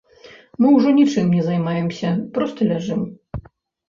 Мы ўжо нічым не займаемся, проста ляжым.